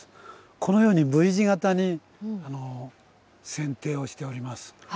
このようにＶ字型にせん定をしております。